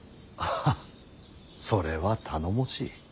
ハハッそれは頼もしい。